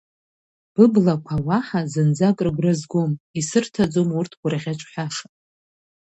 Быблақәа уаҳа зынӡак рыгәразгом, исырҭаӡом урҭ гәырӷьаҽҳәаша…